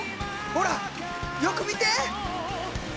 ほらよく見て！